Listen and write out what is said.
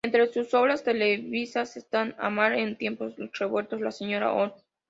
Entre sus obras televisivas están: "Amar en tiempos revueltos", "La Señora", "Oh!